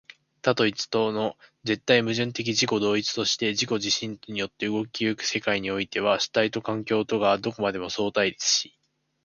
多と一との絶対矛盾的自己同一として自己自身によって動き行く世界においては、主体と環境とがどこまでも相対立し、